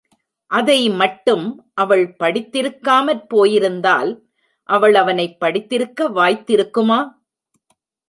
அதை மட்டும் அவள் படித்திருக்காமற் போயிருந்தால், அவள் அவனைப் படித்திருக்க வாய்த் திருக்குமா?